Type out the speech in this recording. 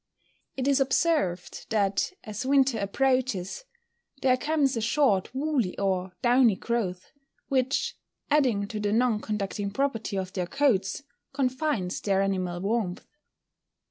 _ It is observed that, as winter approaches, there comes a short woolly or downy growth, which, adding to the non conducting property of their coats, confines their animal warmth.